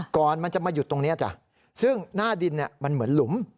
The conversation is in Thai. ก่อนมันจะมาหยุดตรงนี้จ้ะซึ่งหน้าดินมันเหมือนหลุม